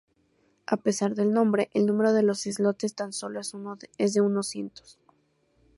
A pesar del nombre, el número de islotes tan solo es de unos cientos.